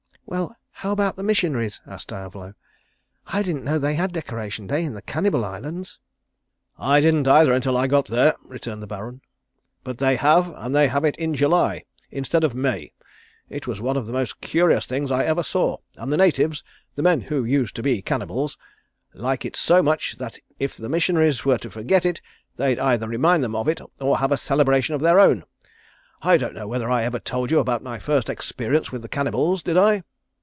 "Well, how about the missionaries?" said Diavolo. "I didn't know they had Decoration Day in the Cannibal Islands." "I didn't either until I got there," returned the Baron. "But they have and they have it in July instead of May. It was one of the most curious things I ever saw and the natives, the men who used to be cannibals, like it so much that if the missionaries were to forget it they'd either remind them of it or have a celebration of their own. I don't know whether I ever told you about my first experience with the cannibals did I?"